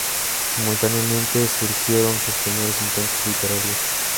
Simultáneamente surgieron sus primeros intentos literarios.